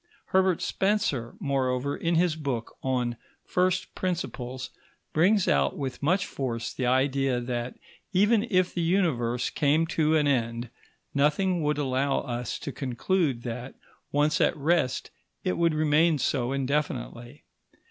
Herbert Spencer, moreover, in his book on First Principles, brings out with much force the idea that, even if the Universe came to an end, nothing would allow us to conclude that, once at rest, it would remain so indefinitely.